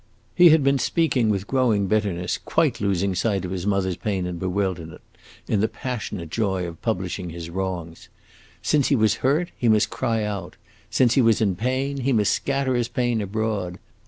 He had been speaking with growing bitterness, quite losing sight of his mother's pain and bewilderment in the passionate joy of publishing his wrongs. Since he was hurt, he must cry out; since he was in pain, he must scatter his pain abroad.